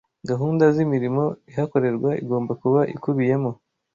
gahunda z’imirimo ihakorerwa igomba kuba ikubiyemo